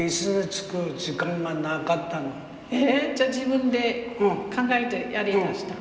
ええじゃあ自分で考えてやりだしたの？